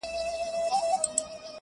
جرس فرهاد زما نژدې ملگرى!!